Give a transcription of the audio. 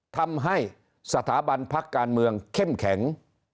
ทำให้สถาบันพักการเมืองเข้มแข็ง